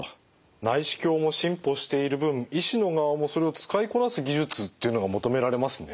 内視鏡も進歩している分医師の側もそれを使いこなす技術っていうのが求められますね。